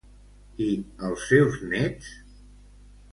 I els seus nets?